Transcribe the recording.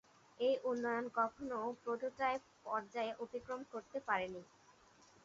এই উন্নয়ন কখনও প্রোটোটাইপ পর্যায় অতিক্রম করতে পারেনি।